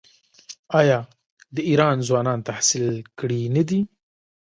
آیا د ایران ځوانان تحصیل کړي نه دي؟